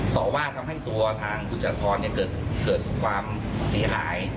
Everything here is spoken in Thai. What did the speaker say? ต่อว่าทำให้ตัวทางคุณจักรพรเกิดความเสียหาย